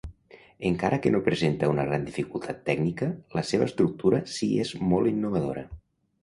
Encara que no presenta una gran dificultat tècnica, la seva estructura si és molt innovadora.